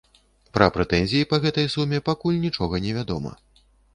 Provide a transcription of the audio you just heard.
Пра прэтэнзіі па гэтай суме пакуль нічога невядома.